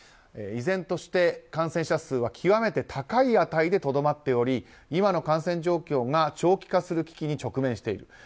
依然として感染者数は極めて高い値でとどまっており今の感染状況が長期化する危機に直面している。